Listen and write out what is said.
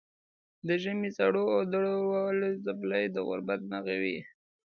د ژمي سړو او دوړو وهلې څپلۍ د غربت نښې وې.